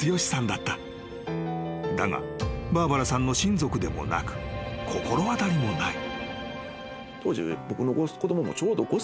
［だがバーバラさんの親族でもなく心当たりもない］